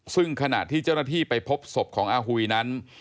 ซึ่งขณะที่เจ้าหน้าที่ไปพบศพของอาหุยนั้น